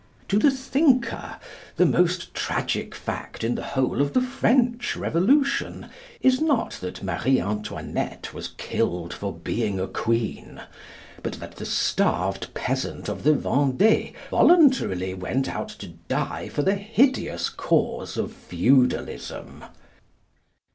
To the thinker, the most tragic fact in the whole of the French Revolution is not that Marie Antoinette was killed for being a queen, but that the starved peasant of the Vendée voluntarily went out to die for the hideous cause of feudalism.